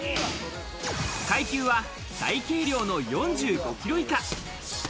階級は最軽量の４５キロ以下。